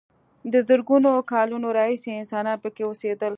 له زرګونو کالونو راهیسې انسانان پکې اوسېدل.